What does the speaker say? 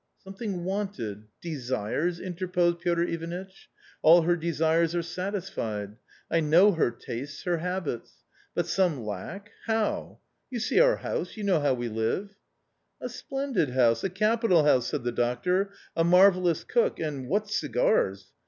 " Something wanted — desires ?" interposed Piotr Ivanitch. " All her desires are satisfied. I know her tastes, her habits. But some lack — how ! You see our house, you know how we live." " A splendid house, a capital house," said the doctor; " a marvellous cook, and what cigars